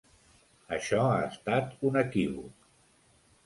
Això ha estat un equivoc.